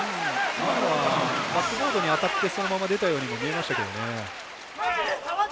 今のはバックガードに当たってそのまま出たように見えましたけどね。